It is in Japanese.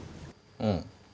うん。